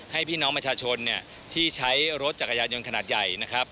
พี่น้องประชาชนเนี่ยที่ใช้รถจักรยานยนต์ขนาดใหญ่นะครับ